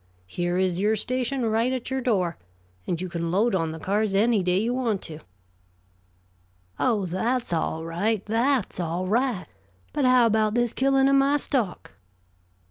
Here is your station right at your door, and you can load on the cars any day you want to." "Oh, that's all right, that's all right. But how about this killing of my stock?"